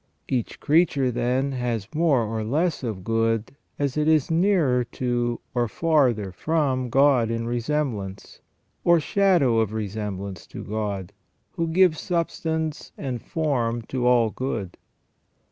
Each creature, again, has more or less of good as it is nearer to or farther from God in resemblance, or shadow of resemblance to God, who gives substance and form to all good.